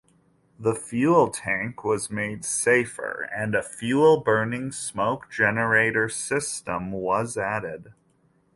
The fuel tank was made safer, and a fuel-burning smoke generator system was added.